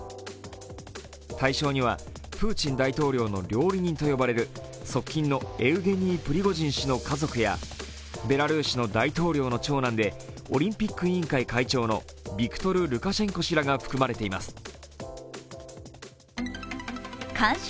対象には、プーチン大統領の料理人と呼ばれる側近のエウゲニー・プリゴジン氏の家族や、ベラルーシの大統領の長男でオリンピック委員会会長のビクトル・ルカシェンコ氏らが含まれています。